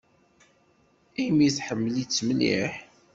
Imi tḥemmel-itt mliḥ.